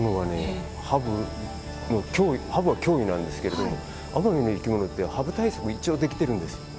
ハブは脅威なんですけれども奄美の生き物ってハブ対策は一応できているんです。